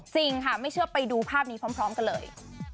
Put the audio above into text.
จริงค่ะไม่เชื่อไปดูภาพนี้พร้อมกันเลย